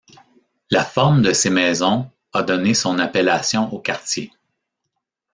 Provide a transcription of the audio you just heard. La forme de ces maisons a donné son appellation au quartier.